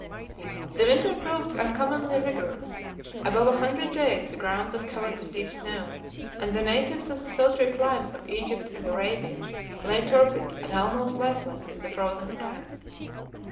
13 The winter proved uncommonly rigorous: above a hundred days the ground was covered with deep snow, and the natives of the sultry climes of Egypt and Arabia lay torpid and almost lifeless in their frozen camp.